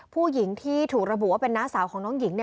ผู้หญิงที่ถูกระบุว่าเป็นน้าสาวของน้องหญิง